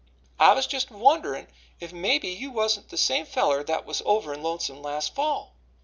"I was just a wonderin' if mebbe you wasn't the same feller that was over in Lonesome last fall."